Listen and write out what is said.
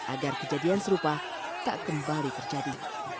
agar kejadian serupa tak kembali terjadi